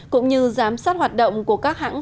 cũng như giám sát hoạt động của các hãng